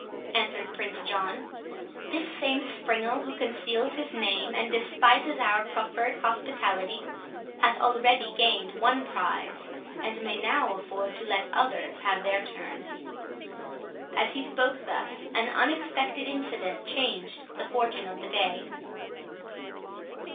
answered Prince John; "this same springald, who conceals his name, and despises our proffered hospitality, hath already gained one prize, and may now afford to let others have their turn." As he spoke thus, an unexpected incident changed the fortune of the day.